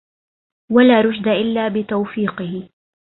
ولا رشد إلا بتوفيقه